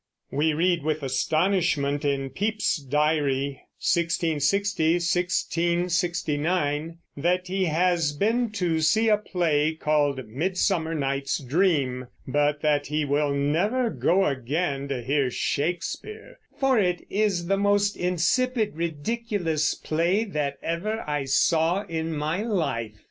We read with astonishment in Pepys's Diary (1660 1669) that he has been to see a play called Midsummer Night's Dream, but that he will never go again to hear Shakespeare, "for it is the most insipid, ridiculous play that ever I saw in my life."